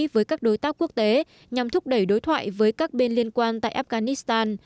với các đối tác quốc tế nhằm thúc đẩy đối thoại với các bên liên quan tại afghanistan